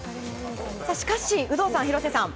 しかし有働さん、廣瀬さん